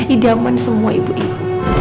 idaman semua ibu ibu